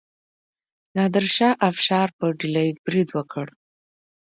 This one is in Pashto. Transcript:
نادر شاه افشار په ډیلي برید وکړ.